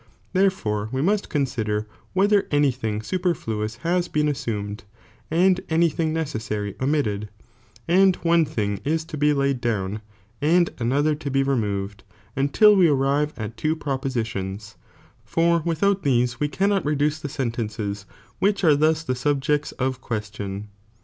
There ,ir fore we must consider whether any thing super fluoua has been assumed, and any thing neceswry jcr omitted, and one thing is to be laid down, and iiiiojium'" "' another to be removed, until we arrive at two propositions, for without these we cannot reduce the Bcntenees which are thus the subjects of question.